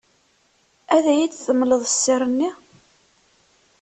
Ad yi-d-temleḍ sser-nni?